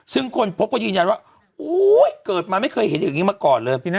ซึ่งคนพบก็ยืนยันว่าเกิดมาไม่เคยเห็นอย่างนี้มาก่อนเลย